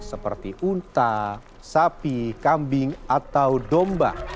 seperti unta sapi kambing atau domba